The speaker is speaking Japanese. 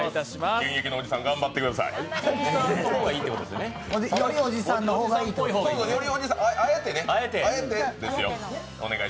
現役のおじさん、頑張ってください。